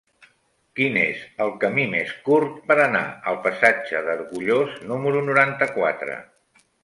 Quin és el camí més curt per anar al passatge d'Argullós número noranta-quatre?